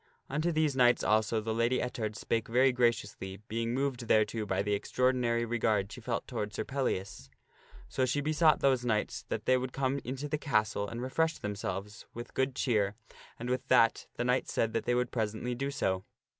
Unto these knights also, the Lady Ettard spake very graciously, being moved thereto by the sir Pellias extraordinary regard she felt toward Sir Pellias. So she be and his sought those knights that they would come into the castle ^nfon'gTto the and refresh themselves, with good cheer, and with that, the c e t l / Grant ~ knights said that they would presently do so.